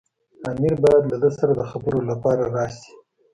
امیر باید له ده سره د خبرو لپاره راشي.